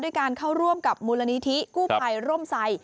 ด้วยการเข้าร่วมกับมูลณิธิกู้พัยร่มใส่